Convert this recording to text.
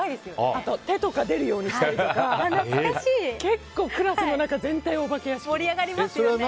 あと、手とかが出るようにしたりとか結構クラスの中全体をお化け屋敷に。